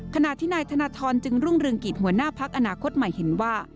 ขณะที่นายธนทรจึงรุ่งเรืองกิจหัวหน้าพักอนาคตใหม่เห็นว่า